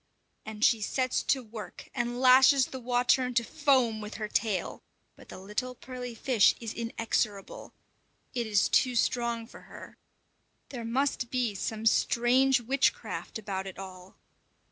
_ And she sets to work and lashes the water into foam with her tail; but the little pearly fish is inexorable; it is too strong for her. There must be some strange witchcraft about it all!